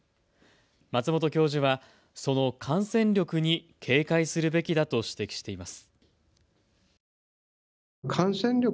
松本教授は、その感染力に警戒するべきだと指摘しています。